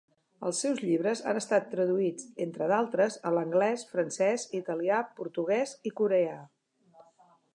Els seus llibres han estat traduïts, entre d'altres, a l'anglès, francès, italià, portuguès i coreà.